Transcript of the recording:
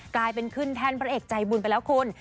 กลายเป็นขึ้นแท่นพระเอกใจบุญไปแล้วคุณ